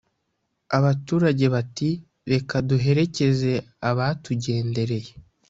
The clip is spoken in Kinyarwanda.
Abaturage bati: "Reka duherekeze abatugendereye"